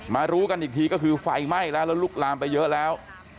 รู้กันอีกทีก็คือไฟไหม้แล้วแล้วลุกลามไปเยอะแล้ว